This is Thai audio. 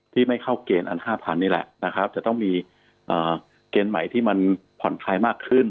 ไม่เข้าเกณฑ์อัน๕๐๐นี่แหละนะครับจะต้องมีเกณฑ์ใหม่ที่มันผ่อนคลายมากขึ้น